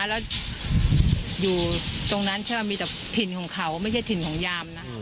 แล้วอยู่ตรงนั้นใช่ไหมมีแต่ถิ่นของเขาไม่ใช่ถิ่นของยามนะ